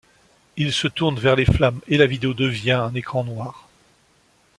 Il se tourne alors vers les flammes, et la vidéo devient un écran noir.